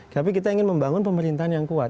tapi kita ingin membangun pemerintahan yang kuat